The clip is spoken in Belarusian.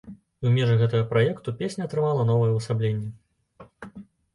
І ў межах гэтага праекту песня атрымала новае ўвасабленне.